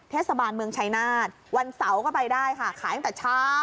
เทสมาลเมืองชัยนาธวันเสาก็ไปได้ค่ะขายตัดเช้า